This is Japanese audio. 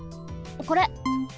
これ。